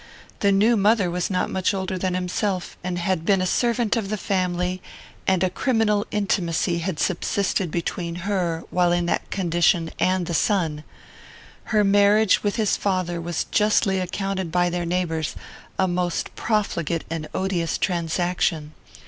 The new mother was not much older than himself, had been a servant of the family, and a criminal intimacy had subsisted between her, while in that condition, and the son. Her marriage with his father was justly accounted by their neighbours a most profligate and odious transaction.